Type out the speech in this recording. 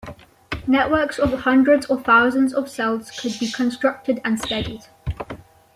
Networks of hundreds or thousands of cells could be constructed and studied.